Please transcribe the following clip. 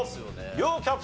両キャプテン